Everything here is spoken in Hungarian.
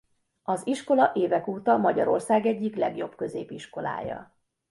Az iskola évek óta Magyarország egyik legjobb középiskolája.